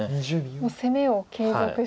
もう攻めを継続して。